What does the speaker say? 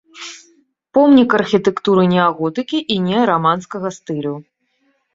Помнік архітэктуры неаготыкі і неараманскага стылю.